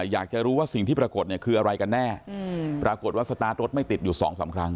อยากจะรู้ว่าสิ่งที่ปรากฏเนี่ยคืออะไรกันแน่ปรากฏว่าสตาร์ทรถไม่ติดอยู่๒๓ครั้ง